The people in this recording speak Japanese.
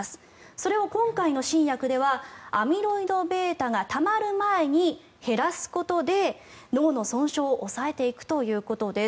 それを今回の新薬ではアミロイドβがたまる前に減らすことで、脳の損傷を抑えていくということです。